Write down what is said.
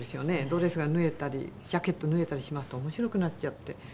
ドレスが縫えたりジャケット縫えたりしますと面白くなっちゃって。